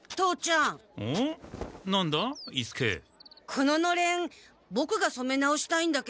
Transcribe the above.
こののれんボクがそめ直したいんだけど。